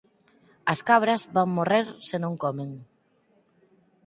As cabras van morrer se non comen.